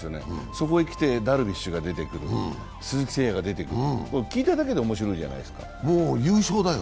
そこへきてダルビッシュが出てくる、鈴木誠也が出てくる、聞いただけで面白いじゃないですか。